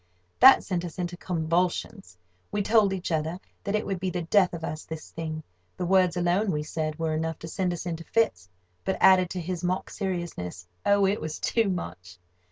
That sent us into convulsions. We told each other that it would be the death of us, this thing. The words alone, we said, were enough to send us into fits, but added to his mock seriousness—oh, it was too much!